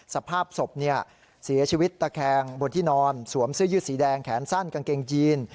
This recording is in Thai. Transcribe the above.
สภาพศพเสียชีวิตตะแคงบนที่นอนสวมเสื้อยืดสีแดงแขนสั้นกางเกงยีน